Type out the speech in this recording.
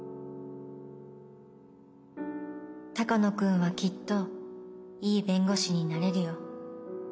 鷹野君はきっといい弁護士になれるよ。